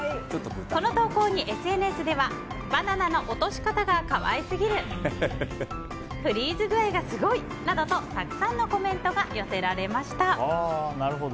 この投稿に、ＳＮＳではバナナの落とし方が可愛すぎるフリーズ具合がすごいなどとたくさんのコメントが寄せられました。